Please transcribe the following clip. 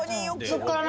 そっから。